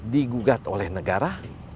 digugat oleh negara